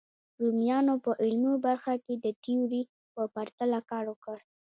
رومیانو په عملي برخه کې د تیوري په پرتله کار وکړ.